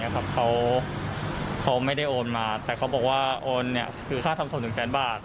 เขาไม่ได้โอนมาแต่เขาบอกว่าโอนคือค่าทำส่วนหนึ่งแสนบาท